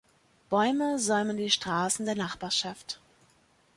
Bäume säumen die Straßen der Nachbarschaft.